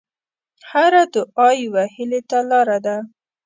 هره دعا یوه هیلې ته لاره ده.